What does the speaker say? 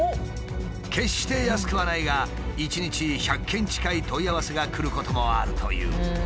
決して安くはないが一日１００件近い問い合わせが来ることもあるという。